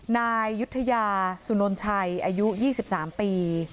นายยุธยาสุนนชัยอายุ๒๓ปี